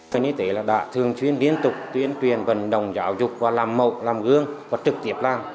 huyện y tế đã thường chuyên liên tục tuyên truyền vận động giáo dục và làm mậu làm gương và trực tiếp làm